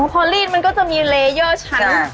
พอลีดมันก็จะมีเลเยอร์ชั้น